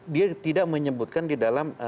dia tidak menyebutkan di dalam